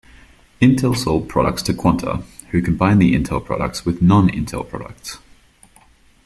Intel sold products to Quanta, who combined the Intel products with non-Intel products.